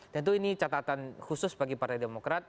tentu ini catatan khusus bagi partai demokrat